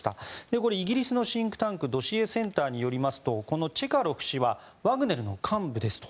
これ、イギリスのシンクタンクドシエセンターによりますとこのチェカロフ氏はワグネルの幹部ですと。